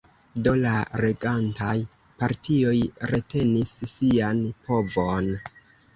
Do la regantaj partioj retenis sian povon.